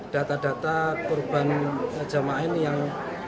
data data perubahan jemaah ini yang